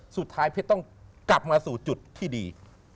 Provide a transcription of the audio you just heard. สุดท้ายเพชรต้องกลับมาสู่จุดที่ดี